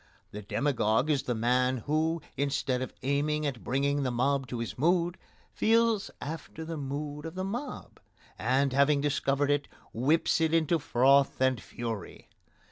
The demagogue is the man who, instead of aiming at bringing the mob to his mood, feels after the mood of the mob, and, having discovered it, whips it into froth and fury.